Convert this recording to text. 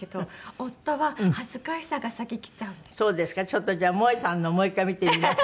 ちょっとじゃあもえさんのをもう１回見てみます。